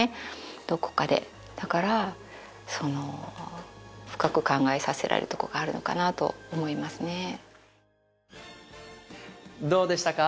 どこかでだからその深く考えさせられるとこがあるのかなと思いますねどうでしたか？